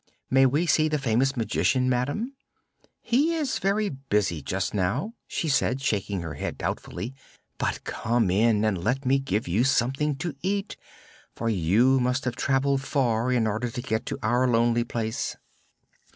"May we see the famous Magician, Madam?" "He is very busy just now," she said, shaking her head doubtfully. "But come in and let me give you something to eat, for you must have traveled far in order to get our lonely place."